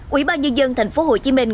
quỹ ba nhân dân thành phố hồ chí minh